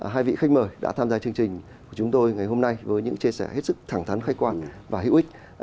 hai vị khách mời đã tham gia chương trình của chúng tôi ngày hôm nay với những chia sẻ hết sức thẳng thắn khách quan và hữu ích